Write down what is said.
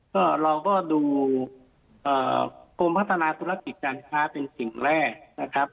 ก็เราก็ดูกรมพัฒนาธุรกิจการค้าเป็นสิ่งแรกนะครับ